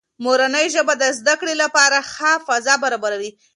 مورنۍ ژبه د زده کړې لپاره ښه فضا برابروي.